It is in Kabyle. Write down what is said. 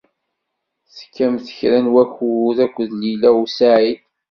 Tekkamt kra n wakud akked Lila u Saɛid.